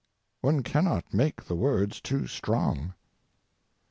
One cannot make the words too strong.